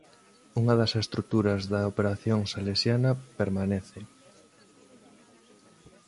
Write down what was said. Unha das estruturas da operación salesiana permanece.